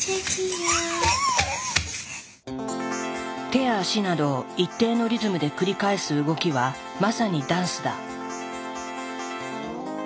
手や足などを一定のリズムで繰り返す動きはまさにダンスだ。